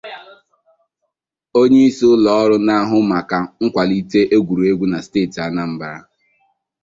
onyeisi ụlọọrụ na-ahụ maka nkwàlite egwuregwu na steeti Anambra